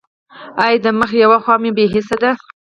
ایا د مخ یوه خوا مو بې حسه ده؟